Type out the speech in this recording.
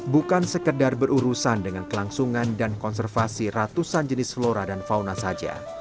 bukan sekedar berurusan dengan kelangsungan dan konservasi ratusan jenis flora dan fauna saja